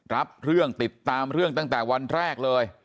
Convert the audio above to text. รับเรื่องติดตามเรื่องตั้งแต่วันแรกเลย